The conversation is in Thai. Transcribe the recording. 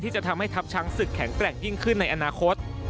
จะทำให้ทัพช้างศึกแข็งแกร่งยิ่งขึ้นในอนาคต